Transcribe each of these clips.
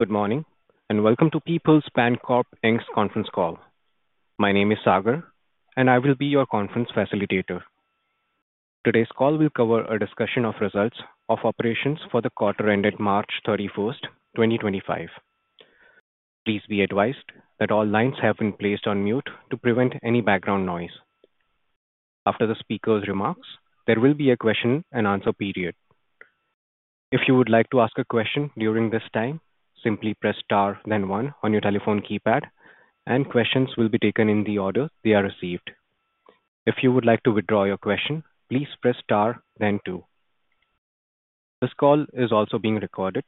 Good morning, and welcome to Peoples Bancorp Inc.'s conference call. My name is Sagar, and I will be your conference facilitator. Today's call will cover a discussion of results of operations for the quarter ended March 31, 2025. Please be advised that all lines have been placed on mute to prevent any background noise. After the speaker's remarks, there will be a question-and-answer period. If you would like to ask a question during this time, simply press star, then one on your telephone keypad, and questions will be taken in the order they are received. If you would like to withdraw your question, please press star, then two. This call is also being recorded.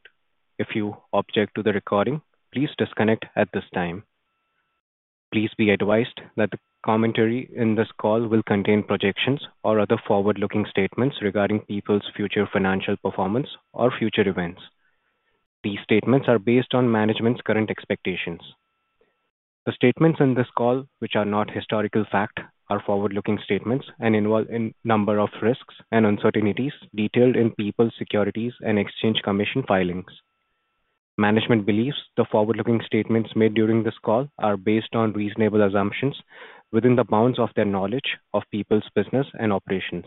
If you object to the recording, please disconnect at this time. Please be advised that the commentary in this call will contain projections or other forward-looking statements regarding Peoples future financial performance or future events. These statements are based on management's current expectations. The statements in this call, which are not historical fact, are forward-looking statements and involve a number of risks and uncertainties detailed in Peoples Securities and Exchange Commission filings. Management believes the forward-looking statements made during this call are based on reasonable assumptions within the bounds of their knowledge of Peoples business and operations.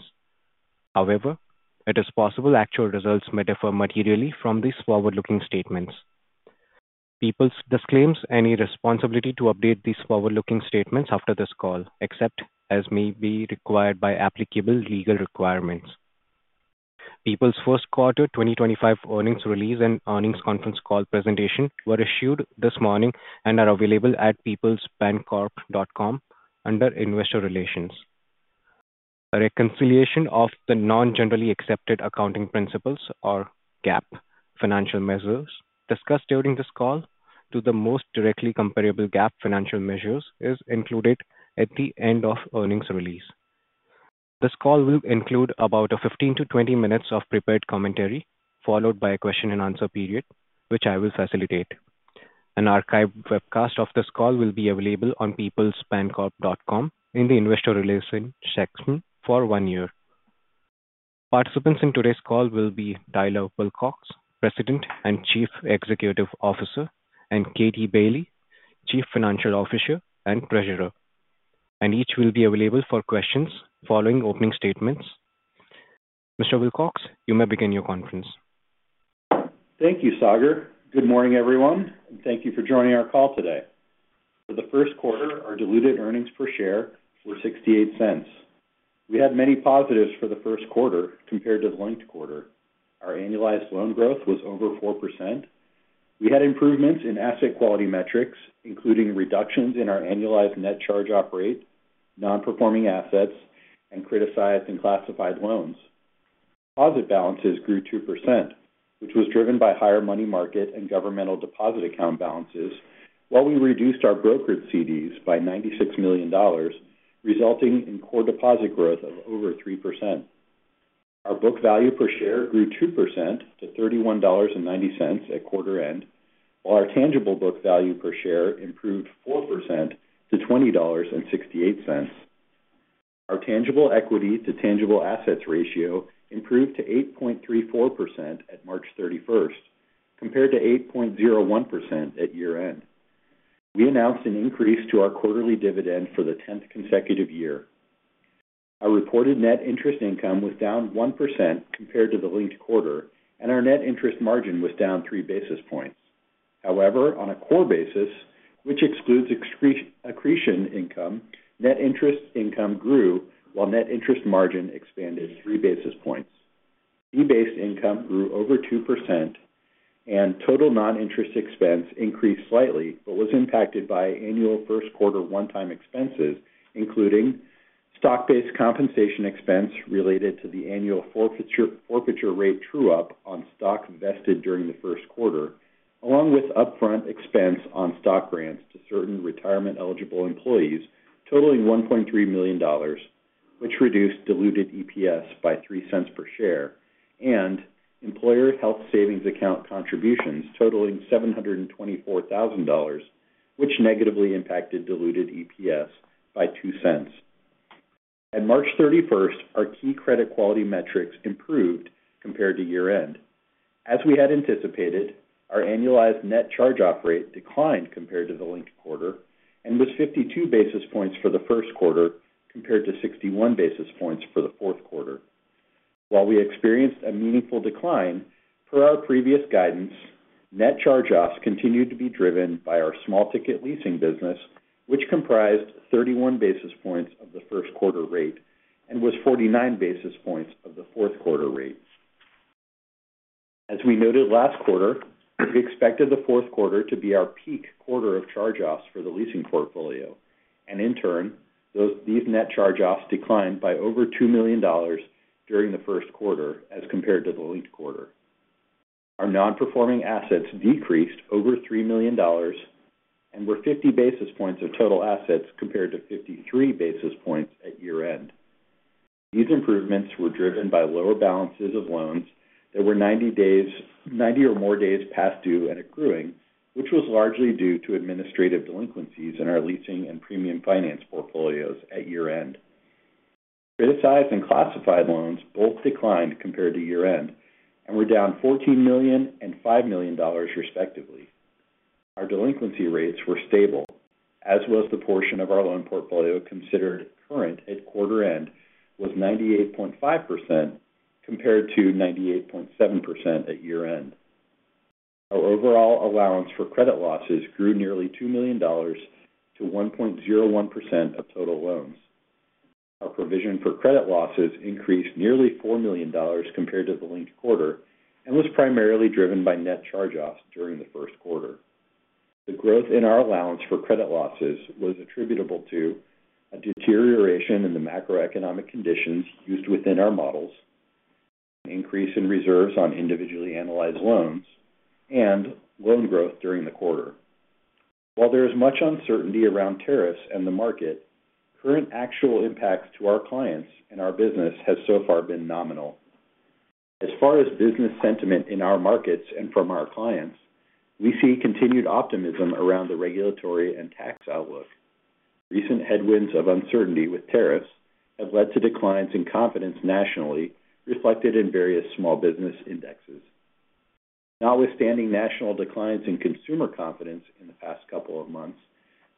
However, it is possible actual results may differ materially from these forward-looking statements. Peoples disclaims any responsibility to update these forward-looking statements after this call, except as may be required by applicable legal requirements. Peoples Q1 2025 earnings release and earnings conference call presentation were issued this morning and are available at peoplesbancorp.com under Investor Relations. A reconciliation of the non-Generally Accepted Accounting Principles, or GAAP, financial measures discussed during this call to the most directly comparable GAAP financial measures is included at the end of earnings release. This call will include about 15 to 20 minutes of prepared commentary, followed by a question-and-answer period, which I will facilitate. An archived webcast of this call will be available on peoplesbancorp.com in the Investor Relations section for one year. Participants in today's call will be Tyler Wilcox, President and Chief Executive Officer, and Katie Bailey, Chief Financial Officer and Treasurer. Each will be available for questions following opening statements. Mr. Wilcox, you may begin your conference. Thank you, Sagar. Good morning, everyone, and thank you for joining our call today. For the Q1, our diluted earnings per share were $0.68. We had many positives for the Q1 compared to the linked quarter. Our annualized loan growth was over 4%. We had improvements in asset quality metrics, including reductions in our annualized net charge-off rate, non-performing assets, and criticized and classified loans. Deposit balances grew 2%, which was driven by higher money market and governmental deposit account balances, while we reduced our brokered CDs by $96 million, resulting in core deposit growth of over 3%. Our book value per share grew 2% to $31.90 at quarter end, while our tangible book value per share improved 4% to $20.68. Our tangible equity to tangible assets ratio improved to 8.34% at March 31, compared to 8.01% at year-end. We announced an increase to our quarterly dividend for the 10th consecutive year. Our reported net interest income was down 1% compared to the linked quarter, and our net interest margin was down 3 basis points. However, on a core basis, which excludes accretion income, net interest income grew, while net interest margin expanded 3 basis points. Fee-based income grew over 2%, and total non-interest expense increased slightly but was impacted by annual first quarter one-time expenses, including stock-based compensation expense related to the annual forfeiture rate true-up on stock vested during the first quarter, along with upfront expense on stock grants to certain retirement-eligible employees totaling $1.3 million, which reduced diluted EPS by 3 cents per share, and employer health savings account contributions totaling $724,000, which negatively impacted diluted EPS by 2 cents. At March 31, our key credit quality metrics improved compared to year-end. As we had anticipated, our annualized net charge-off rate declined compared to the linked quarter and was 52 basis points for the Q1 compared to 61 basis points for the Q4. While we experienced a meaningful decline, per our previous guidance, net charge-offs continued to be driven by our small-ticket leasing business, which comprised 31 basis points of the first quarter rate and was 49 basis points of the Q4 rate. As we noted last quarter, we expected the Q4 to be our peak quarter of charge-offs for the leasing portfolio, and in turn, these net charge-offs declined by over $2 million during the Q1 as compared to the linked quarter. Our non-performing assets decreased over $3 million and were 50 basis points of total assets compared to 53 basis points at year-end. These improvements were driven by lower balances of loans that were 90 or more days past due and accruing, which was largely due to administrative delinquencies in our leasing and premium finance portfolios at year-end. Criticized and classified loans both declined compared to year-end and were down $14 million and $5 million, respectively. Our delinquency rates were stable, as was the portion of our loan portfolio considered current at quarter end, which was 98.5% compared to 98.7% at year-end. Our overall allowance for credit losses grew nearly $2 million to 1.01% of total loans. Our provision for credit losses increased nearly $4 million compared to the linked quarter and was primarily driven by net charge-offs during the first quarter. The growth in our allowance for credit losses was attributable to a deterioration in the macroeconomic conditions used within our models, an increase in reserves on individually analyzed loans, and loan growth during the quarter. While there is much uncertainty around tariffs and the market, current actual impacts to our clients and our business have so far been nominal. As far as business sentiment in our markets and from our clients, we see continued optimism around the regulatory and tax outlook. Recent headwinds of uncertainty with tariffs have led to declines in confidence nationally, reflected in various small business indexes. Notwithstanding national declines in consumer confidence in the past couple of months,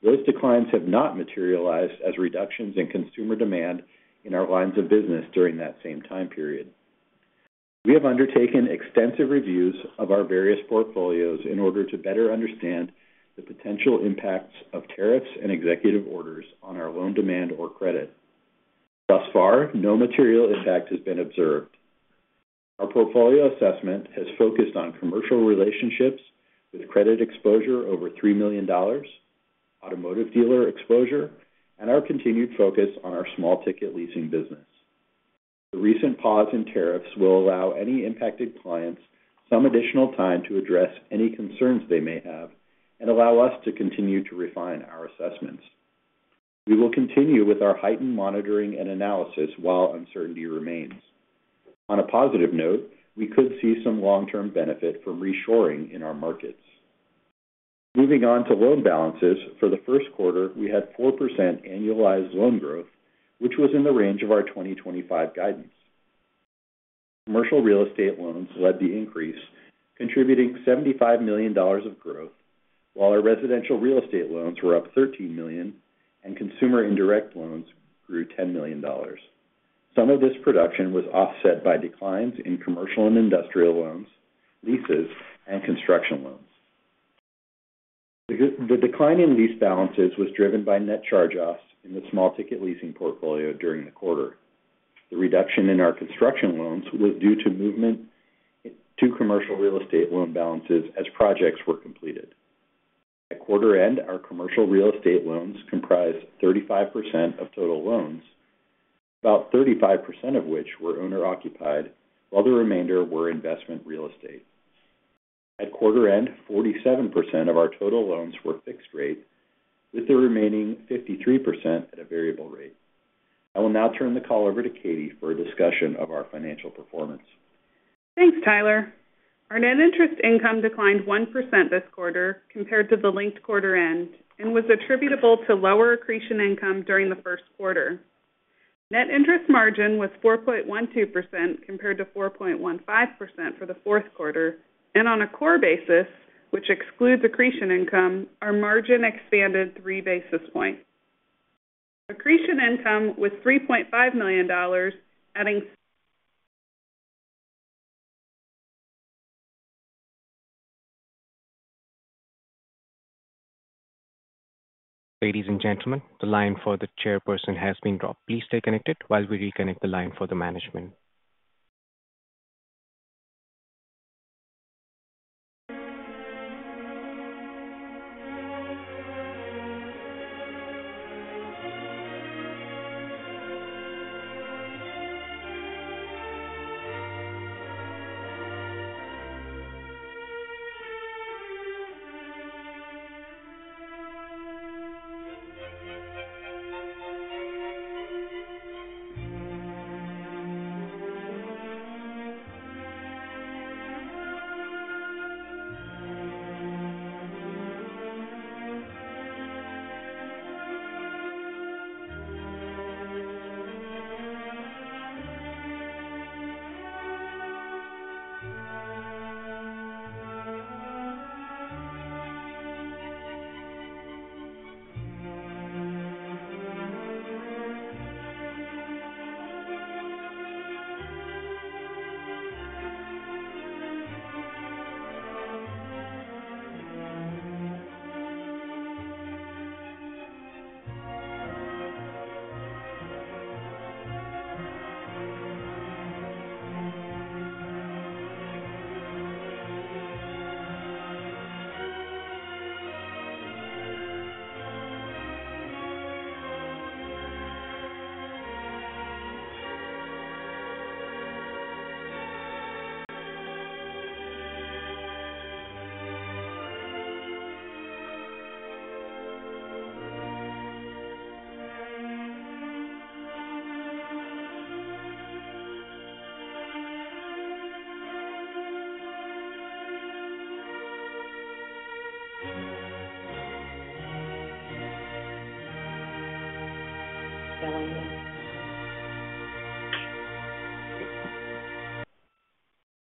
those declines have not materialized as reductions in consumer demand in our lines of business during that same time period. We have undertaken extensive reviews of our various portfolios in order to better understand the potential impacts of tariffs and executive orders on our loan demand or credit. Thus far, no material impact has been observed. Our portfolio assessment has focused on commercial relationships with credit exposure over $3 million, automotive dealer exposure, and our continued focus on our small-ticket leasing business. The recent pause in tariffs will allow any impacted clients some additional time to address any concerns they may have and allow us to continue to refine our assessments. We will continue with our heightened monitoring and analysis while uncertainty remains. On a positive note, we could see some long-term benefit from reshoring in our markets. Moving on to loan balances, for the first quarter, we had 4% annualized loan growth, which was in the range of our 2025 guidance. Commercial real estate loans led the increase, contributing $75 million of growth, while our residential real estate loans were up $13 million, and consumer indirect loans grew $10 million. Some of this production was offset by declines in commercial and industrial loans, leases, and construction loans. The decline in lease balances was driven by net charge-offs in the small-ticket leasing portfolio during the quarter. The reduction in our construction loans was due to movement to commercial real estate loan balances as projects were completed. At quarter end, our commercial real estate loans comprised 35% of total loans, about 35% of which were owner-occupied, while the remainder were investment real estate. At quarter end, 47% of our total loans were fixed rate, with the remaining 53% at a variable rate. I will now turn the call over to Katie for a discussion of our financial performance. Thanks, Tyler. Our net interest income declined 1% this quarter compared to the linked quarter end and was attributable to lower accretion income during the Q1. Net interest margin was 4.12% compared to 4.15% for the Q4, and on a core basis, which excludes accretion income, our margin expanded 3 basis points. Accretion income was $3.5 million, adding. Ladies and gentlemen, the line for the chairperson has been dropped. Please stay connected while we reconnect the line for the management.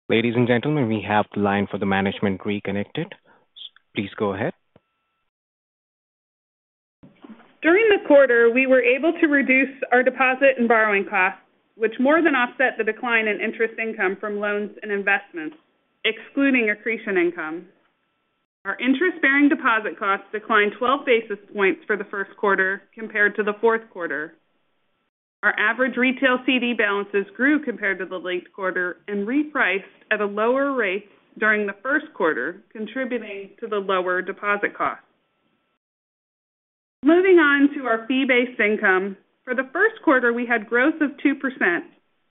Ladies and gentlemen, we have the line for the management reconnected. Please go ahead. During the quarter, we were able to reduce our deposit and borrowing costs, which more than offset the decline in interest income from loans and investments, excluding accretion income. Our interest-bearing deposit costs declined 12 basis points for the first quarter compared to the fourth quarter. Our average retail CD balances grew compared to the linked quarter and repriced at a lower rate during the first quarter, contributing to the lower deposit costs. Moving on to our fee-based income, for the Q1, we had growth of 2%,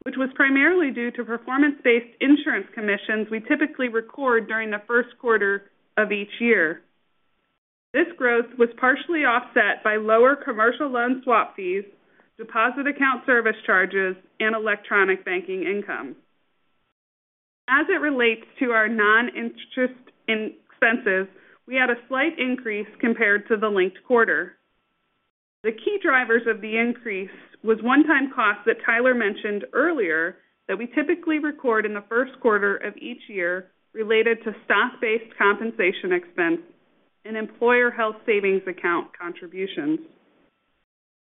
which was primarily due to performance-based insurance commissions we typically record during the Q1 of each year. This growth was partially offset by lower commercial loan swap fees, deposit account service charges, and electronic banking income. As it relates to our non-interest expenses, we had a slight increase compared to the linked quarter. The key drivers of the increase were one-time costs that Tyler mentioned earlier that we typically record in the Q1 of each year related to stock-based compensation expense and employer health savings account contributions.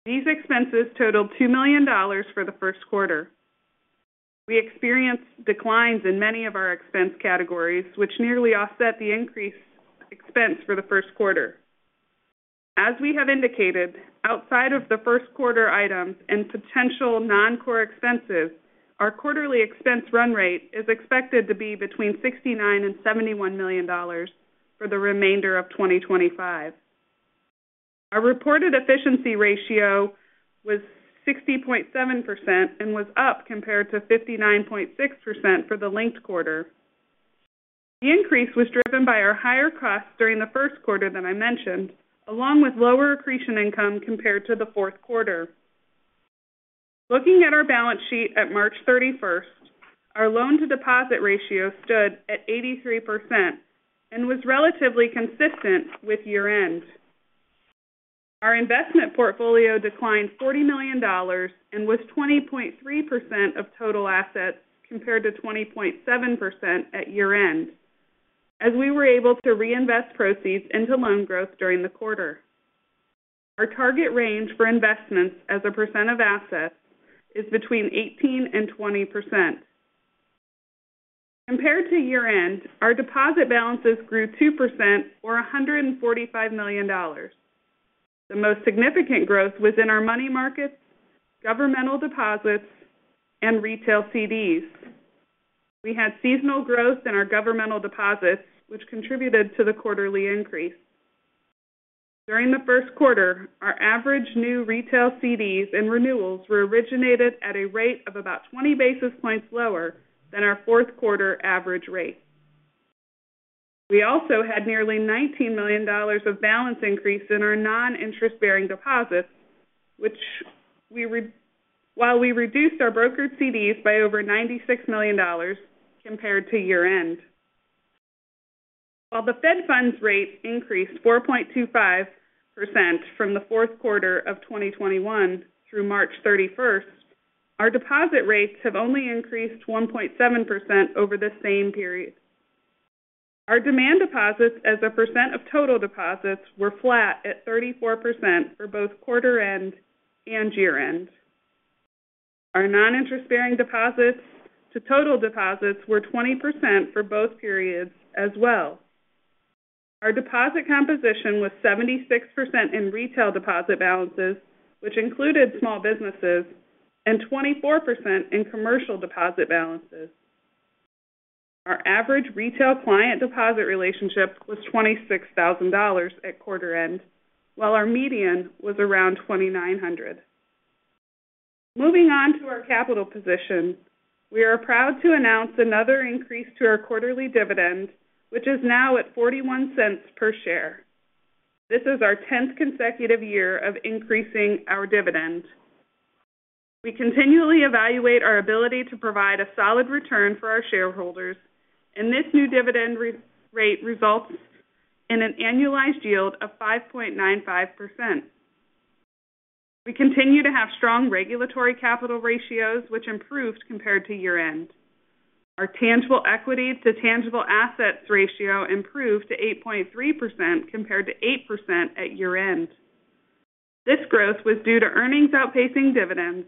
These expenses totaled $2 million for the first quarter. We experienced declines in many of our expense categories, which nearly offset the increased expense for the Q1. As we have indicated, outside of the Q1 items and potential non-core expenses, our quarterly expense run rate is expected to be between $69 million-$71 million for the remainder of 2025. Our reported efficiency ratio was 60.7% and was up compared to 59.6% for the linked quarter. The increase was driven by our higher costs during the first quarter that I mentioned, along with lower accretion income compared to the fourth quarter. Looking at our balance sheet at March 31, our loan-to-deposit ratio stood at 83% and was relatively consistent with year-end. Our investment portfolio declined $40 million and was 20.3% of total assets compared to 20.7% at year-end, as we were able to reinvest proceeds into loan growth during the quarter. Our target range for investments as a percent of assets is between 18% and 20%. Compared to year-end, our deposit balances grew 2%, or $145 million. The most significant growth was in our money markets, governmental deposits, and retail CDs. We had seasonal growth in our governmental deposits, which contributed to the quarterly increase. During the Q1, our average new retail CDs and renewals were originated at a rate of about 20 basis points lower than our Q4 average rate. We also had nearly $19 million of balance increase in our non-interest-bearing deposits, while we reduced our brokered CDs by over $96 million compared to year-end. While the Fed Funds rate increased 4.25% from the Q4 of 2021 through March 31, our deposit rates have only increased 1.7% over the same period. Our demand deposits as a percent of total deposits were flat at 34% for both quarter end and year-end. Our non-interest-bearing deposits to total deposits were 20% for both periods as well. Our deposit composition was 76% in retail deposit balances, which included small businesses, and 24% in commercial deposit balances. Our average retail client deposit relationship was $26,000 at quarter end, while our median was around $2,900. Moving on to our capital position, we are proud to announce another increase to our quarterly dividend, which is now at $0.41 per share. This is our 10th consecutive year of increasing our dividend. We continually evaluate our ability to provide a solid return for our shareholders, and this new dividend rate results in an annualized yield of 5.95%. We continue to have strong regulatory capital ratios, which improved compared to year-end. Our tangible equity to tangible assets ratio improved to 8.3% compared to 8% at year-end. This growth was due to earnings outpacing dividends,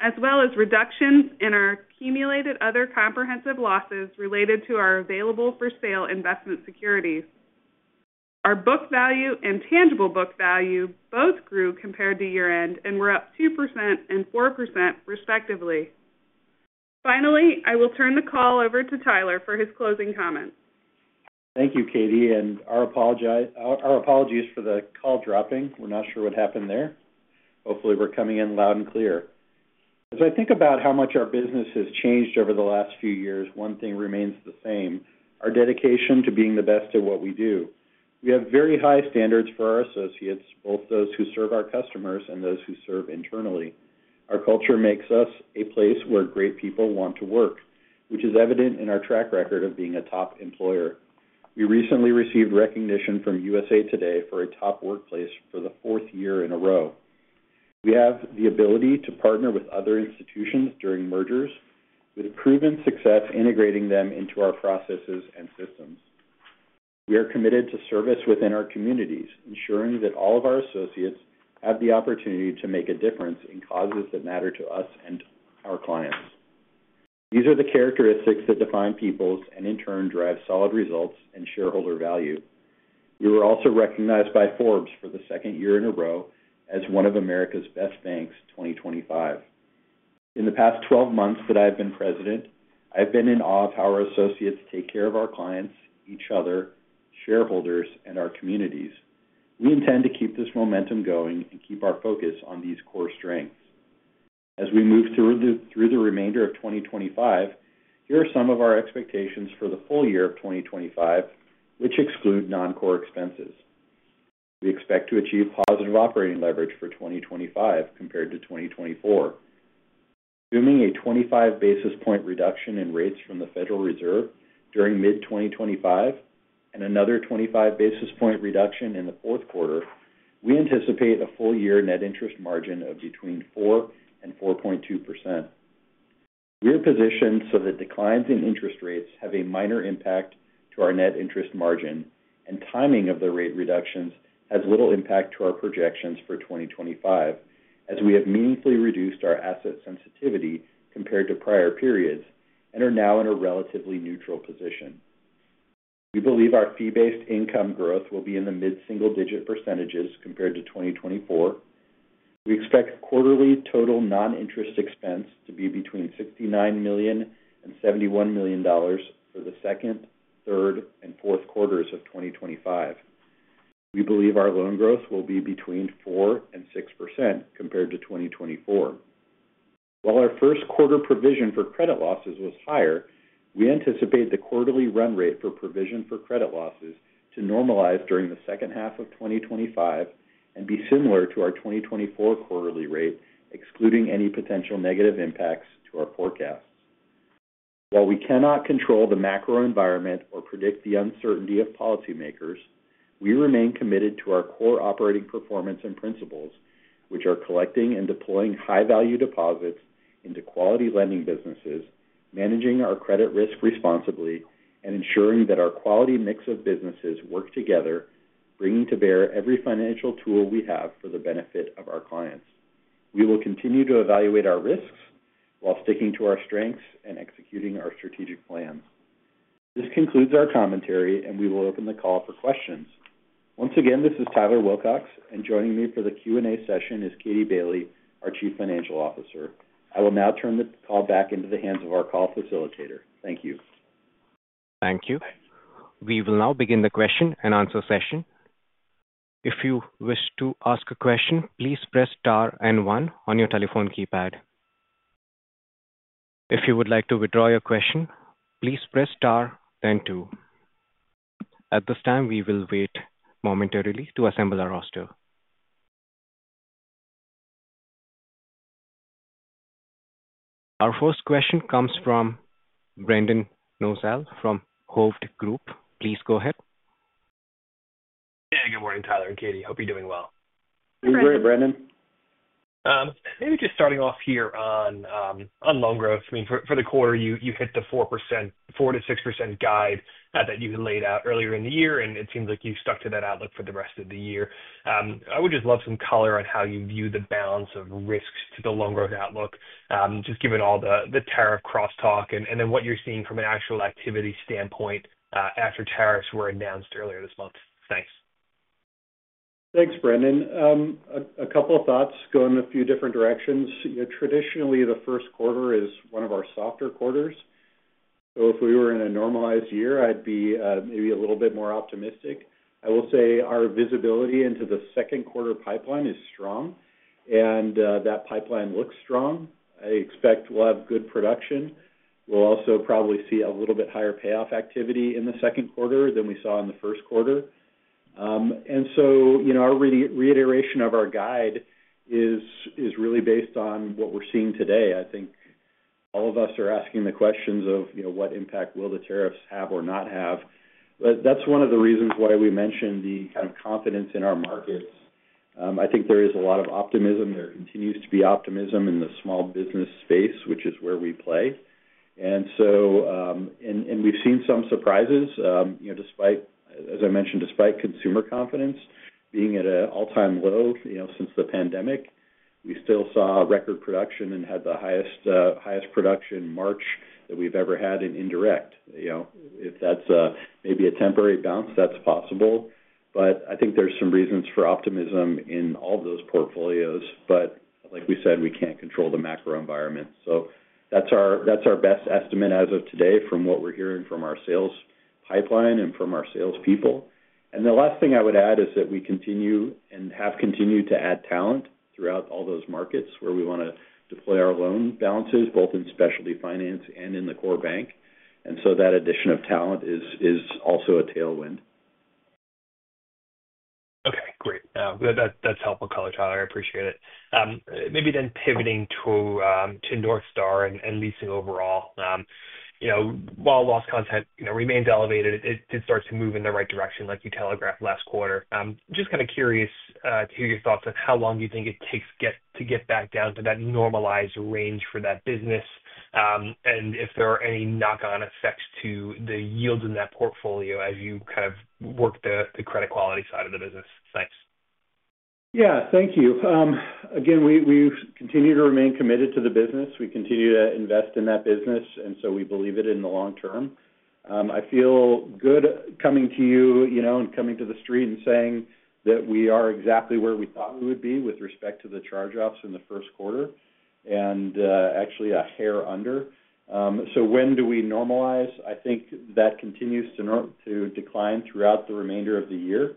as well as reductions in our accumulated other comprehensive losses related to our available-for-sale investment securities. Our book value and tangible book value both grew compared to year-end and were up 2% and 4%, respectively. Finally, I will turn the call over to Tyler for his closing comments. Thank you, Katie, and our apologies for the call dropping. We're not sure what happened there. Hopefully, we're coming in loud and clear. As I think about how much our business has changed over the last few years, one thing remains the same: our dedication to being the best at what we do. We have very high standards for our associates, both those who serve our customers and those who serve internally. Our culture makes us a place where great people want to work, which is evident in our track record of being a top employer. We recently received recognition from USA Today for a top workplace for the Q4 in a row. We have the ability to partner with other institutions during mergers, with proven success integrating them into our processes and systems. We are committed to service within our communities, ensuring that all of our associates have the opportunity to make a difference in causes that matter to us and our clients. These are the characteristics that define Peoples and, in turn, drive solid results and shareholder value. We were also recognized by Forbes for the second year in a row as one of America's best banks 2025. In the past 12 months that I have been president, I have been in awe of how our associates take care of our clients, each other, shareholders, and our communities. We intend to keep this momentum going and keep our focus on these core strengths. As we move through the remainder of 2025, here are some of our expectations for the full year of 2025, which exclude non-core expenses. We expect to achieve positive operating leverage for 2025 compared to 2024. Assuming a 25 basis point reduction in rates from the Federal Reserve during mid-2025 and another 25 basis point reduction in the fourth quarter, we anticipate a full-year net interest margin of between 4% and 4.2%. We are positioned so that declines in interest rates have a minor impact to our net interest margin, and timing of the rate reductions has little impact to our projections for 2025, as we have meaningfully reduced our asset sensitivity compared to prior periods and are now in a relatively neutral position. We believe our fee-based income growth will be in the mid-single-digit percentages compared to 2024. We expect quarterly total non-interest expense to be between $69 million and $71 million for the Q2, Q3, and Q4 of 2025. We believe our loan growth will be between 4% and 6% compared to 2024. While our Q1 provision for credit losses was higher, we anticipate the quarterly run rate for provision for credit losses to normalize during the H2 of 2025 and be similar to our 2024 quarterly rate, excluding any potential negative impacts to our forecasts. While we cannot control the macro environment or predict the uncertainty of policymakers, we remain committed to our core operating performance and principles, which are collecting and deploying high-value deposits into quality lending businesses, managing our credit risk responsibly, and ensuring that our quality mix of businesses work together, bringing to bear every financial tool we have for the benefit of our clients. We will continue to evaluate our risks while sticking to our strengths and executing our strategic plans. This concludes our commentary, and we will open the call for questions. Once again, this is Tyler Wilcox, and joining me for the Q&A session is Katie Bailey, our Chief Financial Officer. I will now turn the call back into the hands of our call facilitator. Thank you. Thank you. We will now begin the question and answer session. If you wish to ask a question, please press Star and 1 on your telephone keypad. If you would like to withdraw your question, please press Star, then 2. At this time, we will wait momentarily to assemble our roster. Our first question comes from Brendan Nosal from Hovde Group. Please go ahead. Hey, good morning, Tyler and Katie. Hope you're doing well. I'm great, Brendan. Maybe just starting off here on loan growth. I mean, for the quarter, you hit the 4%-6% guide that you laid out earlier in the year, and it seems like you stuck to that outlook for the rest of the year. I would just love some color on how you view the balance of risks to the loan growth outlook, just given all the tariff crosstalk, and then what you're seeing from an actual activity standpoint after tariffs were announced earlier this month. Thanks. Thanks, Brendan. A couple of thoughts going in a few different directions. Traditionally, the first quarter is one of our softer quarters. If we were in a normalized year, I'd be maybe a little bit more optimistic. I will say our visibility into the Q2 pipeline is strong, and that pipeline looks strong. I expect we'll have good production. We'll also probably see a little bit higher payoff activity in the Q2 than we saw in the Q1. Our reiteration of our guide is really based on what we're seeing today. I think all of us are asking the questions of what impact will the tariffs have or not have. That's one of the reasons why we mentioned the kind of confidence in our markets. I think there is a lot of optimism. There continues to be optimism in the small business space, which is where we play. We have seen some surprises, despite, as I mentioned, despite consumer confidence being at an all-time low since the pandemic. We still saw record production and had the highest production March that we have ever had in indirect. If that is maybe a temporary bounce, that is possible. I think there are some reasons for optimism in all of those portfolios. Like we said, we cannot control the macro environment. That is our best estimate as of today from what we are hearing from our sales pipeline and from our salespeople. The last thing I would add is that we continue and have continued to add talent throughout all those markets where we want to deploy our loan balances, both in specialty finance and in the core bank. That addition of talent is also a tailwind. Okay. Great. That's helpful color, Tyler. I appreciate it. Maybe then pivoting to North Star Leasing and leasing overall. While loss content remains elevated, it did start to move in the right direction, like you telegraphed last quarter. Just kind of curious to hear your thoughts on how long you think it takes to get back down to that normalized range for that business and if there are any knock-on effects to the yields in that portfolio as you kind of work the credit quality side of the business. Thanks. Yeah. Thank you. Again, we continue to remain committed to the business. We continue to invest in that business, and so we believe it in the long term. I feel good coming to you and coming to the street and saying that we are exactly where we thought we would be with respect to the charge-offs in the Q4 and actually a hair under. When do we normalize? I think that continues to decline throughout the remainder of the year.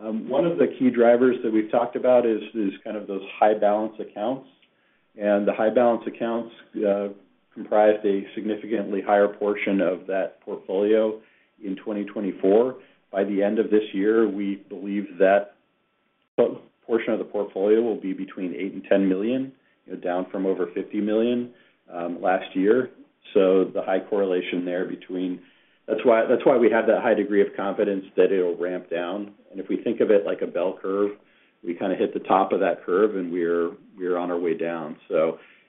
One of the key drivers that we've talked about is kind of those high-balance accounts. The high-balance accounts comprise a significantly higher portion of that portfolio in 2024. By the end of this year, we believe that portion of the portfolio will be between $8 million and $10 million, down from over $50 million last year. The high correlation there between that is why we have that high degree of confidence that it will ramp down. If we think of it like a bell curve, we kind of hit the top of that curve, and we are on our way down.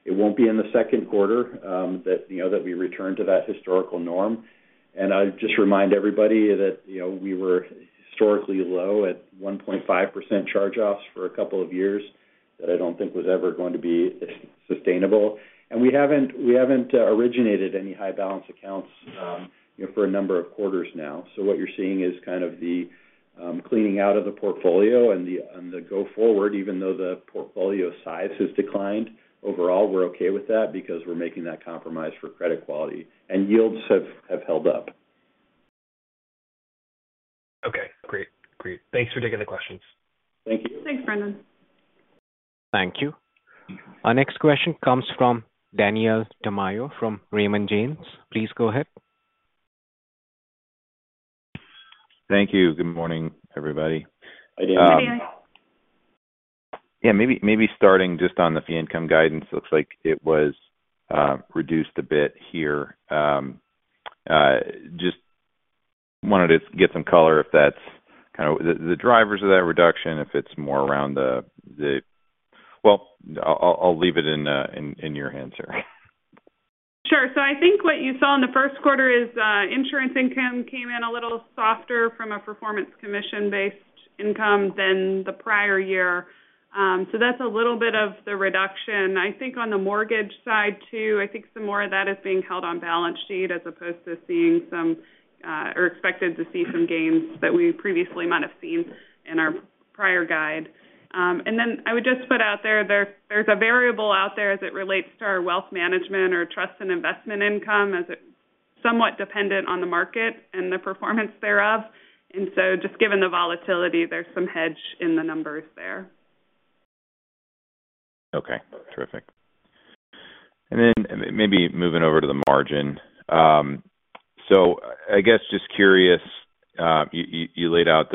It will not be in the second quarter that we return to that historical norm. I just remind everybody that we were historically low at 1.5% charge-offs for a couple of years that I do not think was ever going to be sustainable. We have not originated any high-balance accounts for a number of quarters now. What you are seeing is kind of the cleaning out of the portfolio and the go-forward, even though the portfolio size has declined. Overall, we are okay with that because we are making that compromise for credit quality, and yields have held up. Okay. Great. Great. Thanks for taking the questions. Thank you. Thanks, Brendan. Thank you. Our next question comes from Daniel Tamayo from Raymond James. Please go ahead. Thank you. Good morning, everybody. Hi, Daniel. Hi, Daniel. Yeah. Maybe starting just on the fee income guidance, it looks like it was reduced a bit here. Just wanted to get some color if that's kind of the drivers of that reduction, if it's more around the, well, I'll leave it in your hands, sir. Sure. I think what you saw in the Q1 is insurance income came in a little softer from a performance commission-based income than the prior year. That is a little bit of the reduction. I think on the mortgage side, too, I think some more of that is being held on balance sheet as opposed to seeing some or expected to see some gains that we previously might have seen in our prior guide. I would just put out there there is a variable out there as it relates to our wealth management or trust and investment income as it is somewhat dependent on the market and the performance thereof. Just given the volatility, there is some hedge in the numbers there. Okay. Terrific. Then maybe moving over to the margin. I guess just curious, you laid out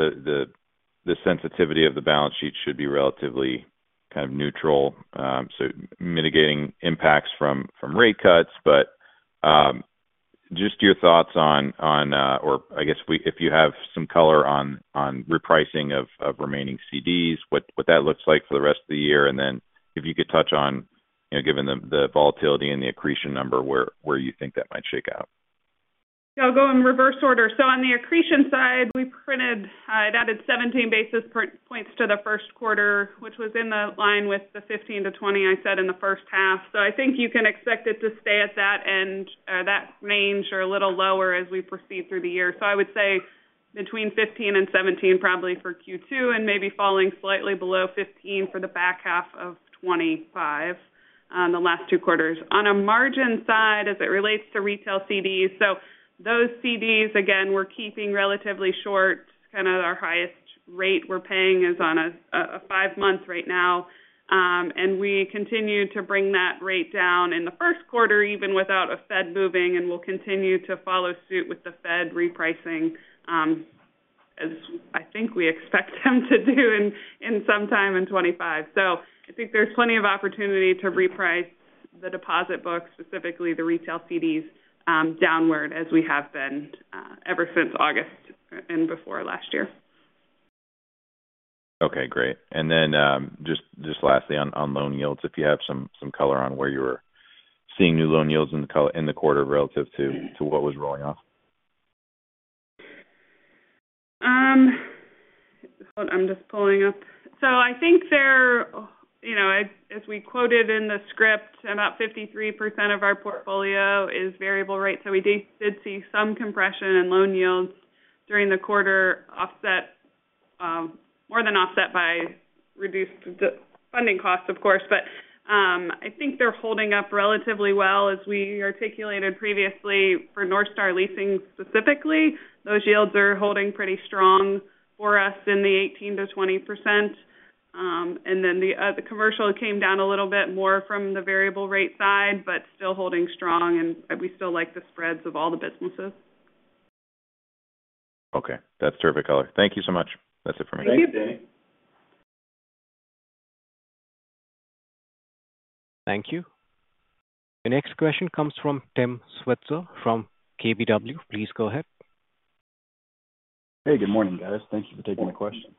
the sensitivity of the balance sheet should be relatively kind of neutral, so mitigating impacts from rate cuts. Just your thoughts on, or I guess if you have some color on repricing of remaining CDs, what that looks like for the rest of the year. If you could touch on, given the volatility and the accretion number, where you think that might shake out. Yeah. I'll go in reverse order. On the accretion side, we printed it added 17 basis points to the Q1, which was in line with the 15-20 I said in the H1. I think you can expect it to stay at that end or that range or a little lower as we proceed through the year. I would say between 15-17 probably for Q2 and maybe falling slightly below 15 for the back half of 2025, the last two quarters. On a margin side, as it relates to retail CDs, those CDs, again, we're keeping relatively short. Kind of our highest rate we're paying is on a five-month right now. We continue to bring that rate down in the Q1, even without a Fed moving, and we'll continue to follow suit with the Fed repricing, as I think we expect them to do in some time in 2025. I think there's plenty of opportunity to reprice the deposit books, specifically the retail CDs, downward as we have been ever since August and before last year. Okay. Great. Lastly, on loan yields, if you have some color on where you were seeing new loan yields in the quarter relative to what was rolling off. I'm just pulling up. I think they're, as we quoted in the script, about 53% of our portfolio is variable rate. We did see some compression in loan yields during the quarter, more than offset by reduced funding costs, of course. I think they're holding up relatively well. As we articulated previously, for North Star Leasing specifically, those yields are holding pretty strong for us in the 18%-20% range. The commercial came down a little bit more from the variable rate side, but still holding strong, and we still like the spreads of all the businesses. Okay. That's terrific color. Thank you so much. That's it for me. Thank you, Daniel. Thank you. The next question comes from Tim Switzer from KBW. Please go ahead. Hey, good morning, guys. Thank you for taking the question.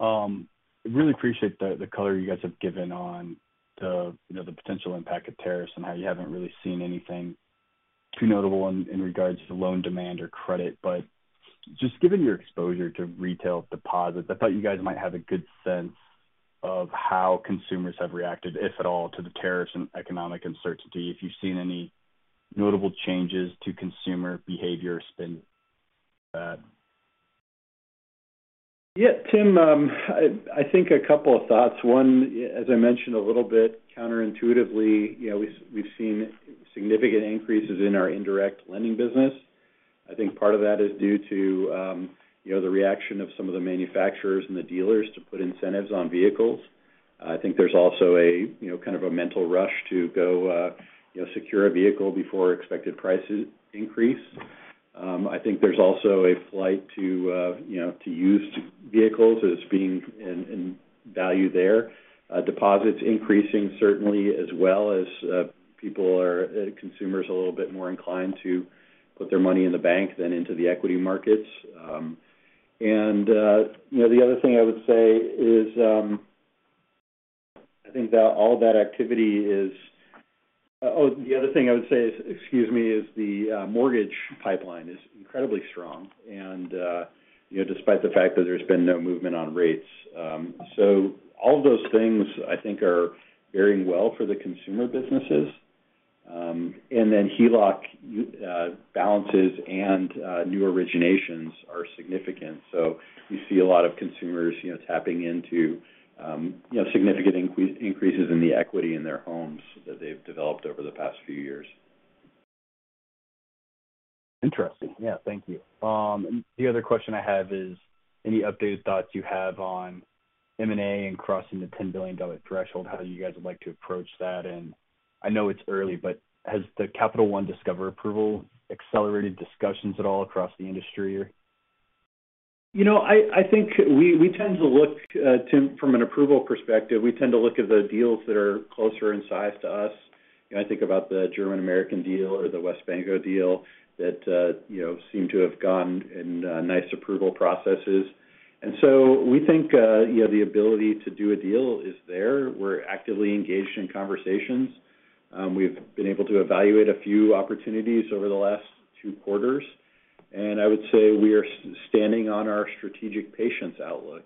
Morning, Tim. I really appreciate the color you guys have given on the potential impact of tariffs and how you haven't really seen anything too notable in regards to loan demand or credit. Just given your exposure to retail deposits, I thought you guys might have a good sense of how consumers have reacted, if at all, to the tariffs and economic uncertainty, if you've seen any notable changes to consumer behavior or spending. Yeah, Tim, I think a couple of thoughts. One, as I mentioned a little bit counterintuitively, we've seen significant increases in our indirect lending business. I think part of that is due to the reaction of some of the manufacturers and the dealers to put incentives on vehicles. I think there's also kind of a mental rush to go secure a vehicle before expected prices increase. I think there's also a flight to used vehicles as being in value there. Deposits increasing, certainly, as well as people or consumers a little bit more inclined to put their money in the bank than into the equity markets. The other thing I would say is I think that all that activity is, oh, the other thing I would say is, excuse me, is the mortgage pipeline is incredibly strong, despite the fact that there's been no movement on rates. All of those things, I think, are varying well for the consumer businesses. HELOC balances and new originations are significant. You see a lot of consumers tapping into significant increases in the equity in their homes that they have developed over the past few years. Interesting. Thank you. The other question I have is any updated thoughts you have on M&A and crossing the $10 billion threshold, how you guys would like to approach that. I know it is early, but has the Capital One Discover approval accelerated discussions at all across the industry? I think we tend to look, Tim, from an approval perspective, we tend to look at the deals that are closer in size to us. I think about the German American deal or the WesBanco deal that seem to have gone in nice approval processes. We think the ability to do a deal is there. We're actively engaged in conversations. We've been able to evaluate a few opportunities over the last two quarters. I would say we are standing on our strategic patience outlook.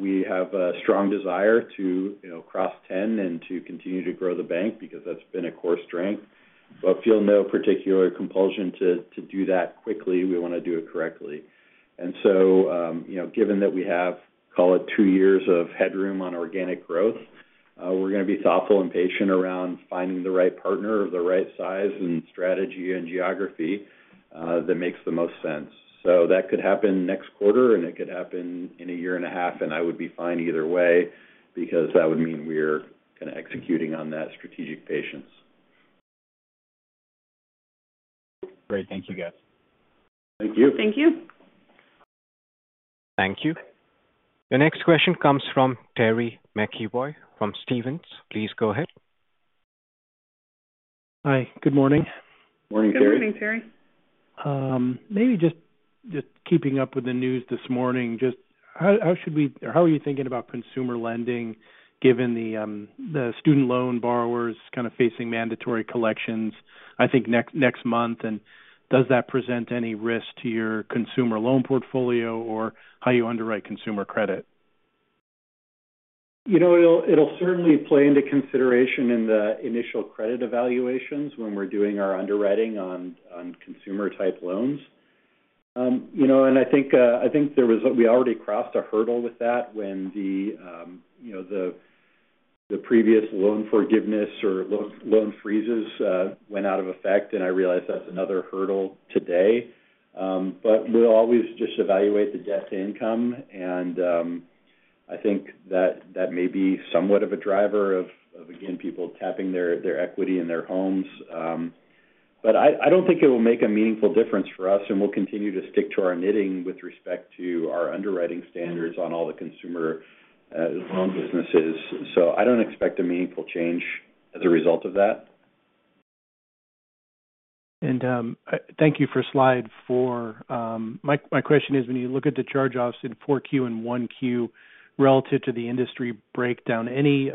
We have a strong desire to cross 10 and to continue to grow the bank because that's been a core strength. We feel no particular compulsion to do that quickly. We want to do it correctly. Given that we have, call it, two years of headroom on organic growth, we're going to be thoughtful and patient around finding the right partner of the right size and strategy and geography that makes the most sense. That could happen next quarter, and it could happen in a year and a half, and I would be fine either way because that would mean we're kind of executing on that strategic patience. Great. Thank you, guys. Thank you. Thank you. Thank you. The next question comes from Terry McEvoy from Stephens. Please go ahead. Hi. Good morning. Morning, Terry. Good morning, Terry. Maybe just keeping up with the news this morning. Just how should we or how are you thinking about consumer lending given the student loan borrowers kind of facing mandatory collections, I think, next month? Does that present any risk to your consumer loan portfolio or how you underwrite consumer credit? It'll certainly play into consideration in the initial credit evaluations when we're doing our underwriting on consumer-type loans. I think there was we already crossed a hurdle with that when the previous loan forgiveness or loan freezes went out of effect. I realize that's another hurdle today. We'll always just evaluate the debt-to-income, and I think that may be somewhat of a driver of, again, people tapping their equity in their homes. I don't think it will make a meaningful difference for us, and we'll continue to stick to our knitting with respect to our underwriting standards on all the consumer loan businesses. I don't expect a meaningful change as a result of that. Thank you for slide four. My question is, when you look at the charge-offs in Q4 and Q1 relative to the industry breakdown, any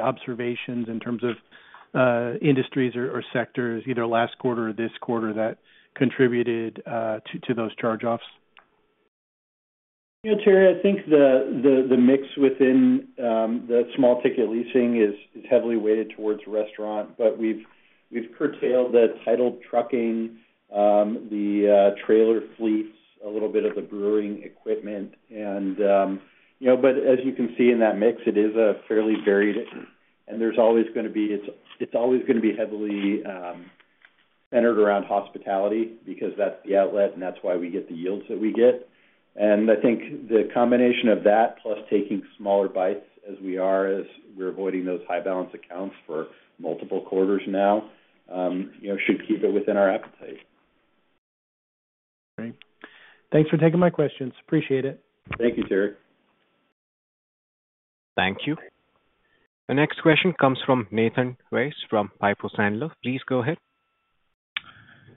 observations in terms of industries or sectors, either last quarter or this quarter, that contributed to those charge-offs? Yeah, Terry, I think the mix within the small-ticket leasing is heavily weighted towards restaurant, but we've curtailed the titled trucking, the trailer fleets, a little bit of the brewing equipment. As you can see in that mix, it is fairly varied, and there's always going to be, it's always going to be heavily centered around hospitality because that's the outlet, and that's why we get the yields that we get. I think the combination of that, plus taking smaller bites as we are, as we're avoiding those high-balance accounts for multiple quarters now, should keep it within our appetite. Great. Thanks for taking my questions. Appreciate it. Thank you, Terry. Thank you. The next question comes from Nathan Race from Piper Sandler. Please go ahead.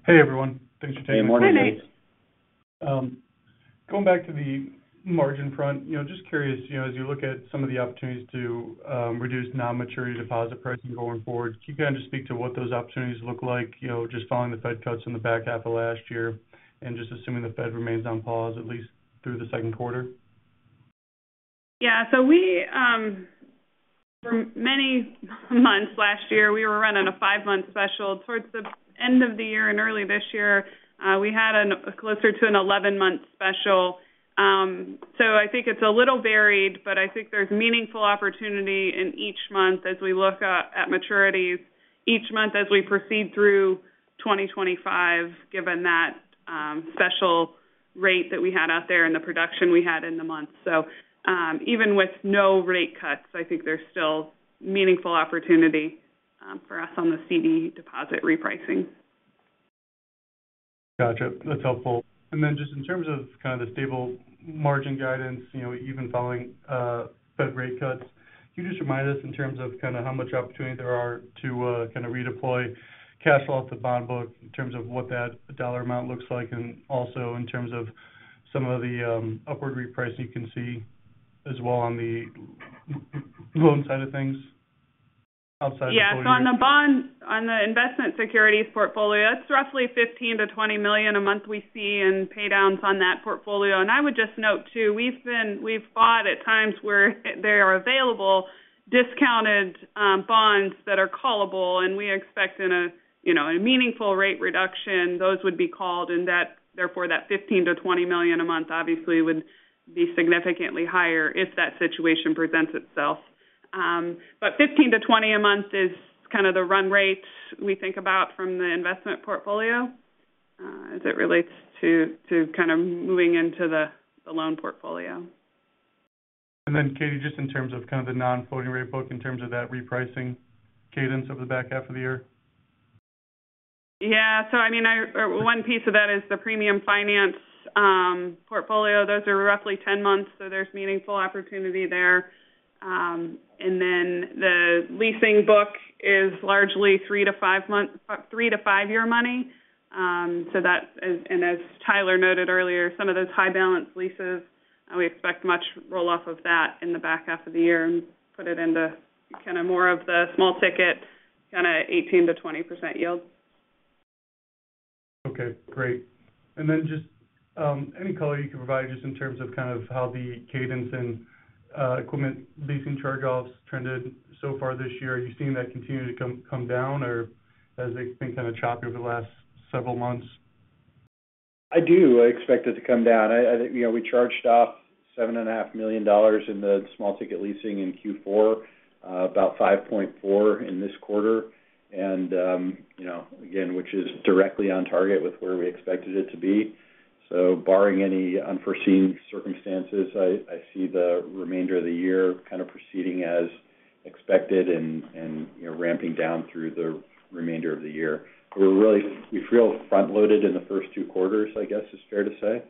Hey, everyone. Thanks for taking the time. Hey, Morning, Nathan. Going back to the margin front, just curious, as you look at some of the opportunities to reduce non-maturity deposit pricing going forward, can you kind of just speak to what those opportunities look like, just following the Fed cuts in the back half of last year and just assuming the Fed remains on pause at least through the Q2? Yeah. For many months last year, we were running a five-month special. Towards the end of the year and early this year, we had closer to an 11-month special. I think it's a little varied, but I think there's meaningful opportunity in each month as we look at maturities each month as we proceed through 2025, given that special rate that we had out there and the production we had in the month. Even with no rate cuts, I think there's still meaningful opportunity for us on the CD deposit repricing. Gotcha. That's helpful. Just in terms of kind of the stable margin guidance, even following Fed rate cuts, can you just remind us in terms of kind of how much opportunity there are to kind of redeploy cash off the bond book in terms of what that dollar amount looks like and also in terms of some of the upward repricing you can see as well on the loan side of things outside of the 40-year? Yeah. On the investment securities portfolio, that's roughly $15 million-$20 million a month we see in paydowns on that portfolio. I would just note too, we've bought at times where there are available discounted bonds that are callable, and we expect a meaningful rate reduction. Those would be called, and therefore that $15 million-$20 million a month obviously would be significantly higher if that situation presents itself. $15 million-$20 million a month is kind of the run rate we think about from the investment portfolio as it relates to kind of moving into the loan portfolio. Katie, just in terms of kind of the non-floating rate book in terms of that repricing cadence over the back half of the year? Yeah. I mean, one piece of that is the premium finance portfolio. Those are roughly 10 months, so there's meaningful opportunity there. The leasing book is largely three- to five-year money. As Tyler noted earlier, some of those high-balance leases, we expect much roll-off of that in the back half of the year and put it into kind of more of the small-ticket kind of 18%-20% yield. Okay. Great. Any color you can provide just in terms of kind of how the cadence in equipment leasing charge-offs trended so far this year? Are you seeing that continue to come down, or has it been kind of choppy over the last several months? I do. I expect it to come down. We charged off $7.5 million in the small-ticket leasing in Q4, about $5.4 million in this quarter, which is directly on target with where we expected it to be. Barring any unforeseen circumstances, I see the remainder of the year kind of proceeding as expected and ramping down through the remainder of the year. We feel front-loaded in the first two quarters, I guess, is fair to say.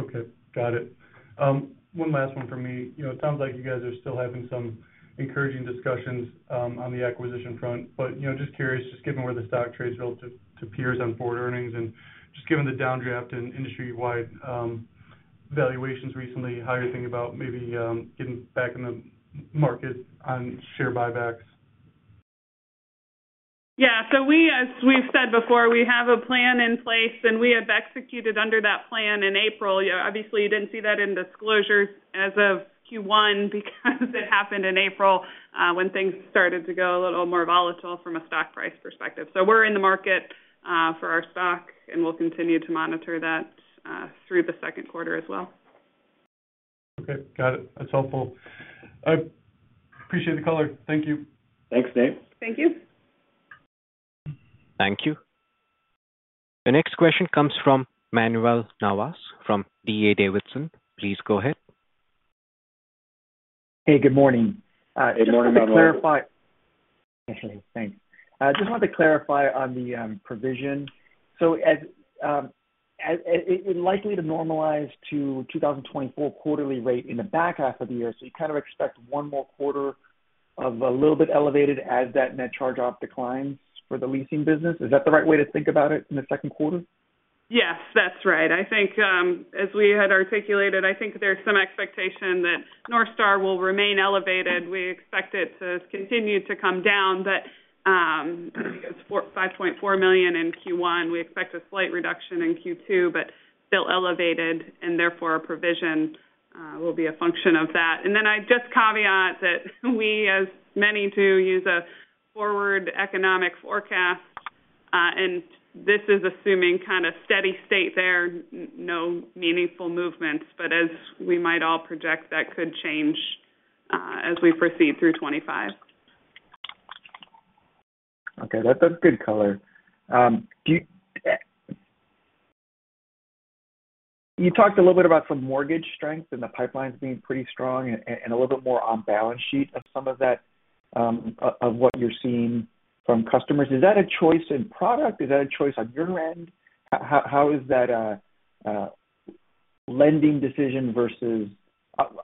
Okay. Got it. One last one from me. It sounds like you guys are still having some encouraging discussions on the acquisition front. Just curious, just given where the stock trades relative to peers on board earnings and just given the down-draft and industry-wide valuations recently, how you're thinking about maybe getting back in the market on share buybacks? Yeah. As we've said before, we have a plan in place, and we have executed under that plan in April. Obviously, you did not see that in disclosures as of Q1 because it happened in April when things started to go a little more volatile from a stock price perspective. We are in the market for our stock, and we will continue to monitor that through the second quarter as well. Okay. Got it. That's helpful. I appreciate the color. Thank you. Thanks, Nate. Thank you. Thank you. The next question comes from Manuel Navas from DA Davidson. Please go ahead. Hey, good morning. Good morning, Manuel. Just want to clarify. Thanks. Just wanted to clarify on the provision. It is likely to normalize to 2024 quarterly rate in the back half of the year. You kind of expect one more quarter of a little bit elevated as that net charge-off declines for the leasing business. Is that the right way to think about it in the second quarter? Yes, that's right. As we had articulated, I think there's some expectation that North Star will remain elevated. We expect it to continue to come down. I think it was $5.4 million in Q1. We expect a slight reduction in Q2, but still elevated, and therefore a provision will be a function of that. I just caveat that we, as many, do use a forward economic forecast, and this is assuming kind of steady state there, no meaningful movements. As we might all project, that could change as we proceed through 2025. Okay. That's good color. You talked a little bit about some mortgage strength and the pipelines being pretty strong and a little bit more on balance sheet. Some of that of what you're seeing from customers. Is that a choice in product? Is that a choice on your end? How is that lending decision versus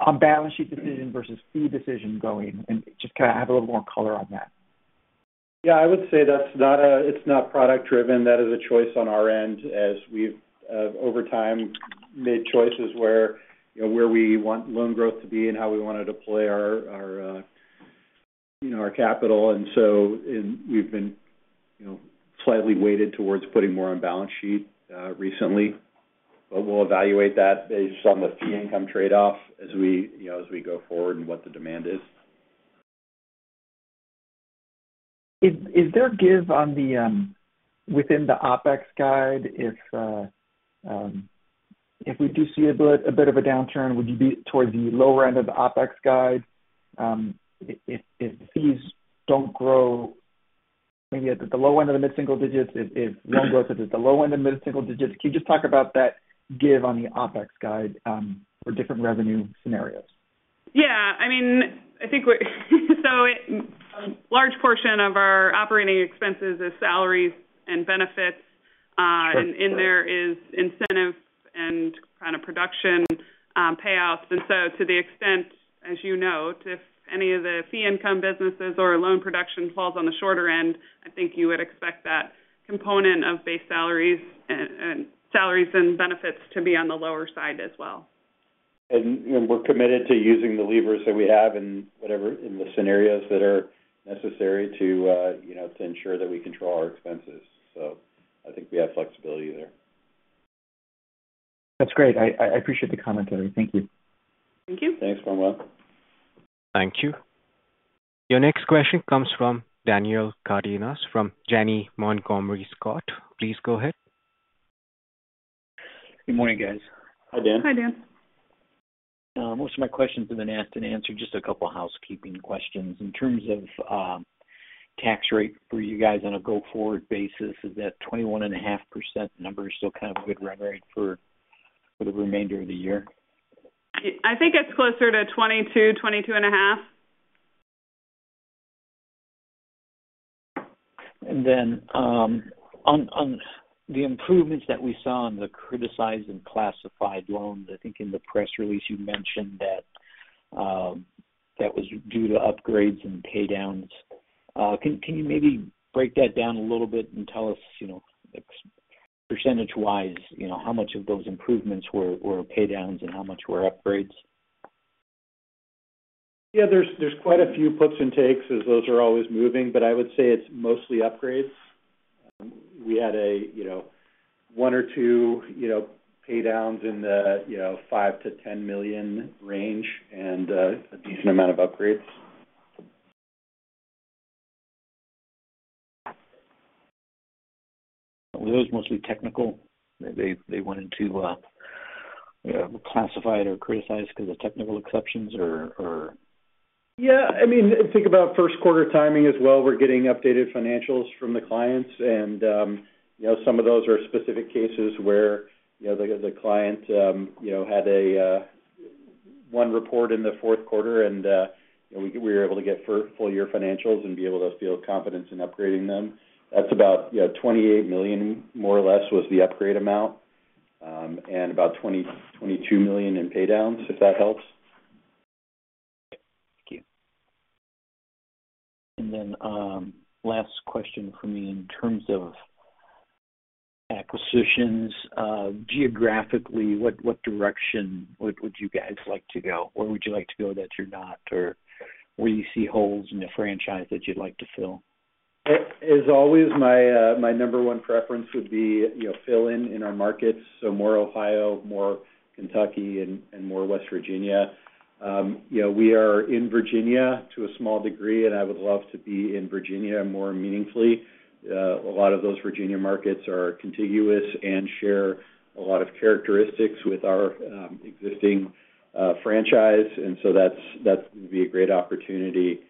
on balance sheet decision versus fee decision going? Just kind of have a little more color on that. Yeah. I would say that's not product-driven. That is a choice on our end as we've, over time, made choices where we want loan growth to be and how we want to deploy our capital. We've been slightly weighted towards putting more on balance sheet recently, but we'll evaluate that based on the fee-income trade-off as we go forward and what the demand is. Is there a give within the OpEx guide? If we do see a bit of a downturn, would you be towards the lower end of the OpEx guide if fees do not grow maybe at the low end of the mid-single digits, if loan growth is at the low end of mid-single digits? Can you just talk about that give on the OpEx guide for different revenue scenarios? Yeah. I mean, I think a large portion of our operating expenses is salaries and benefits, and in there is incentive and kind of production payouts. To the extent, as you know, if any of the fee-income businesses or loan production falls on the shorter end, I think you would expect that component of base salaries and benefits to be on the lower side as well. We're committed to using the levers that we have in the scenarios that are necessary to ensure that we control our expenses. I think we have flexibility there. That's great. I appreciate the commentary. Thank you. Thank you. Thanks, Manuel. Thank you. The next question comes from Daniel Cardenas from Janney Montgomery Scott. Please go ahead. Good morning, guys. Hi, Dan. Hi, Dan. Most of my questions have been asked and answered. Just a couple of housekeeping questions. In terms of tax rate for you guys on a go-forward basis, is that 21.5% number still kind of a good run rate for the remainder of the year? I think it's closer to 22%-22.5%. On the improvements that we saw in the criticized and classified loans, I think in the press release you mentioned that that was due to upgrades and paydowns. Can you maybe break that down a little bit and tell us percentage-wise how much of those improvements were paydowns and how much were upgrades? Yeah. There's quite a few puts and takes as those are always moving, but I would say it's mostly upgrades. We had one or two paydowns in the $5 million-$10 million range and a decent amount of upgrades. Were those mostly technical? They went into classified or criticized because of technical exceptions or? Yeah. I mean, think about Q1 timing as well. We're getting updated financials from the clients, and some of those are specific cases where the client had one report in the Q4, and we were able to get full-year financials and be able to feel confident in upgrading them. That's about $28 million, more or less, was the upgrade amount and about $22 million in paydowns, if that helps. Okay. Thank you. Last question for me in terms of acquisitions. Geographically, what direction would you guys like to go? Where would you like to go that you're not, or where do you see holes in the franchise that you'd like to fill? As always, my number one preference would be fill-in in our markets. More Ohio, more Kentucky, and more West Virginia. We are in Virginia to a small degree, and I would love to be in Virginia more meaningfully. A lot of those Virginia markets are contiguous and share a lot of characteristics with our existing franchise, and that is going to be a great opportunity.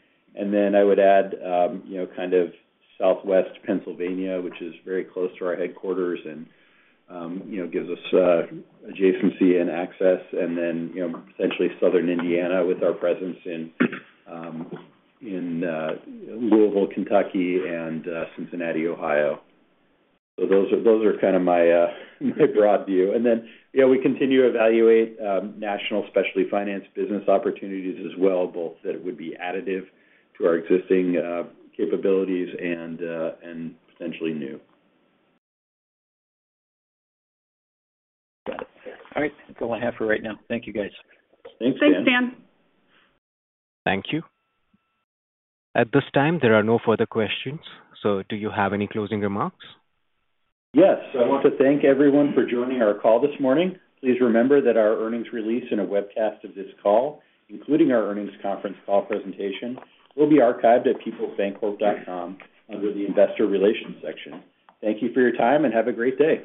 I would add kind of southwest Pennsylvania, which is very close to our headquarters and gives us adjacency and access, and then essentially southern Indiana with our presence in Louisville, Kentucky, and Cincinnati, Ohio. Those are kind of my broad view. We continue to evaluate national specialty finance business opportunities as well, both that would be additive to our existing capabilities and potentially new. Got it. All right. That's all I have for right now. Thank you, guys. Thanks, Dan. Thanks, Dan. Thank you. At this time, there are no further questions. Do you have any closing remarks? Yes. I want to thank everyone for joining our call this morning. Please remember that our earnings release and a webcast of this call, including our earnings conference call presentation, will be archived at peoplesbancorp.com under the investor relations section. Thank you for your time and have a great day.